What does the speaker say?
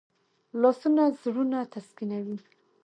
لاسونه زړونه تسکینوي